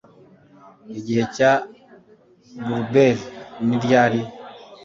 Igihe cya blueberry ni ryari